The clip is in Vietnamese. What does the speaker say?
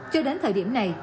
cho đến thời điểm này